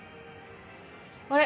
あれ？